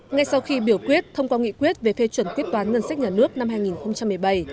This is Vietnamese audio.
ngay sau khi biểu quyết thông qua nghị quyết về phê chuẩn quyết toán ngân sách nhà nước năm hai nghìn một mươi bảy